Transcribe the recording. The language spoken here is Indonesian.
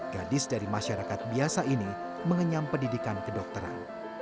gadis dari masyarakat biasa ini mengenyam pendidikan kedokteran